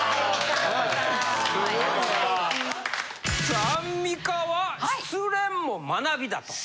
さあアンミカは失恋も学びだと。